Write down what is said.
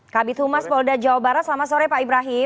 kabit humas polda jawa barat selamat sore pak ibrahim